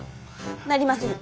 なりませぬ。